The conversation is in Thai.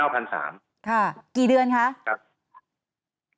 ทางประกันสังคมก็จะสามารถเข้าไปช่วยจ่ายเงินสมทบให้๖๒